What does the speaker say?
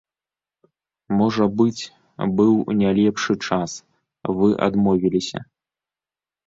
Можа быць, быў не лепшы час, вы адмовіліся.